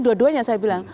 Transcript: dua duanya yang saya bilang